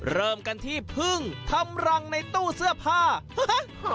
เริ่มกันที่พึ่งทำรังในตู้เสื้อผ้าฮะ